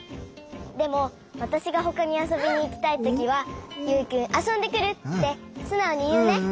でもわたしがほかにあそびにいきたいときは「ユウくんあそんでくる」ってすなおにいうね！